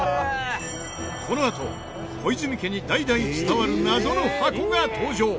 このあと小泉家に代々伝わる謎の箱が登場！